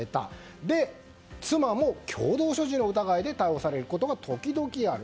それで、妻も共同所持の疑いで逮捕されることが時々ある。